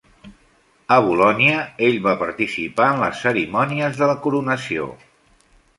A Bolonya ell va participar en les cerimònies de la coronació.